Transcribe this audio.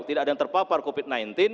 tidak ada yang terpapar covid sembilan belas